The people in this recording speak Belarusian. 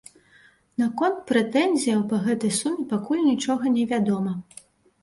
Наконт прэтэнзіяў па гэтай суме пакуль нічога не вядома.